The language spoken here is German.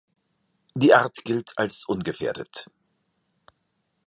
Die Art gilt als ungefährdet.